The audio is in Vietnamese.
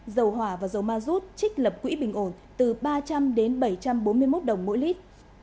dầu hỏa và dầu ma rút trích lập quỹ bình ổn từ ba trăm linh đến bảy trăm bốn mươi một đồng mỗi lít